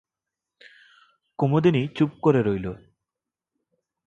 কুমুদিনী চুপ করে রইল।